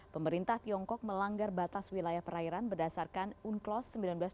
pemerintah tiongkok melanggar batas wilayah perairan berdasarkan unclos seribu sembilan ratus delapan puluh